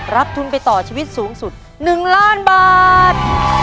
รับทุนไปต่อชีวิตสูงสุด๑ล้านบาท